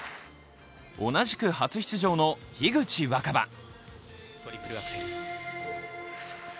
同じく初出場の樋口新葉。